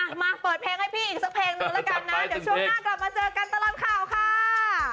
มาเปิดเพลงให้พี่อีกสักเพลงหนึ่งแล้วกันนะเดี๋ยวช่วงหน้ากลับมาเจอกันตลอดข่าวค่ะ